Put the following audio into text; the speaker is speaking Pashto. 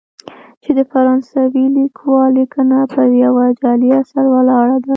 چې د فرانسوي لیکوال لیکنه پر یوه جعلي اثر ولاړه ده.